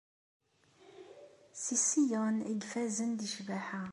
Si Ṣiyun i ifazen di ccbaḥa.